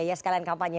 ya sekalian kampanye